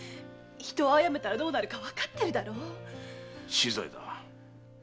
死罪だ。